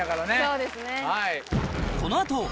そうですね。